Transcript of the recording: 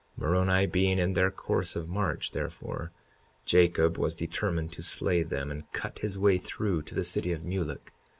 52:34 Moroni being in their course of march, therefore Jacob was determined to slay them and cut his way through to the city of Mulek.